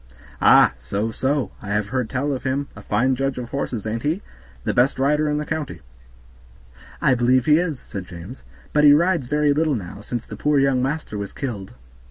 "Ah! so, so, I have heard tell of him; fine judge of horses, ain't he? the best rider in the county." "I believe he is," said James, "but he rides very little now, since the poor young master was killed."